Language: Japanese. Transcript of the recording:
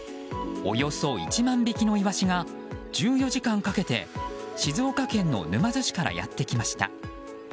およそ１万匹のイワシが１４時間かけて静岡県の沼津市からやってきました。